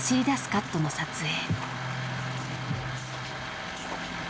カットの撮影］